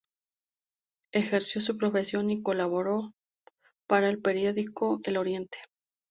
Ejerció su profesión y colaboró para el periódico "El Oriente".